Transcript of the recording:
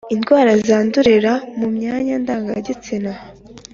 Indwara zandurira mu myanya ndangagitsina